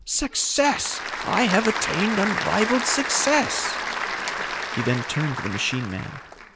Success! I have now attained unrivaled success!" He then turned to the machine man.